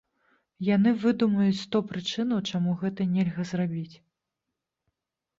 Яны выдумаюць сто прычынаў, чаму гэта нельга зрабіць.